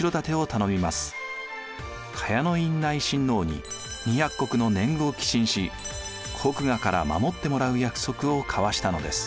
高陽院内親王に２００石の年貢を寄進し国衙から守ってもらう約束を交わしたのです。